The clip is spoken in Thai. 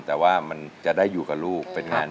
แต่ว่ามันจะได้อยู่กับลูก